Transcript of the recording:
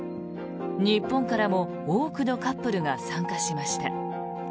日本からも多くのカップルが参加しました。